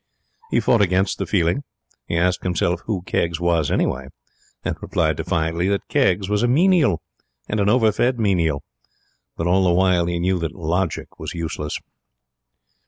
He fought against the feeling. He asked himself who Keggs was, anyway; and replied defiantly that Keggs was a Menial and an overfed Menial. But all the while he knew that logic was useless.